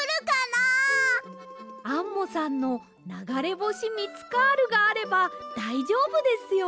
アンモさんのながれぼしミツカールがあればだいじょうぶですよ。